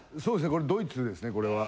これドイツですねこれは。